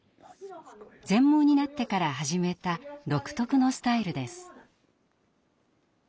全盲になってから始めた独特のスタイルです。